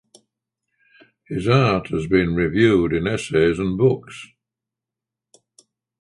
His art has been reviewed in essays and books.